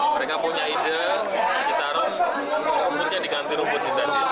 mereka punya ide citarum rumputnya diganti rumput sintandis